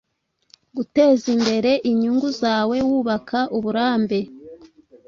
Gutezimbere inyungu zawe wubaka uburambe